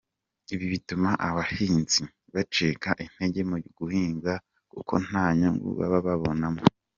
Ibi bituma abahinzi bacika intege mu guhinga kuko nta nyungu baba babonamo.